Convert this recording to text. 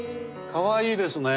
かわいいですね。